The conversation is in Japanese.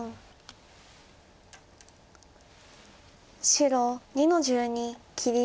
白２の十二切り。